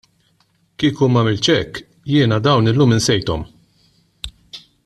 Kieku m'għamiltx hekk, jiena dawn illum insejthom.